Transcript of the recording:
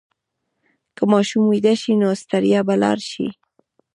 که ماشوم ویده شي، نو ستړیا به لاړه شي.